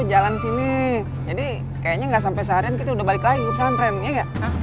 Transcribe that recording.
jalan sini jadi kayaknya nggak sampai seharian kita udah balik lagi kan trennya ya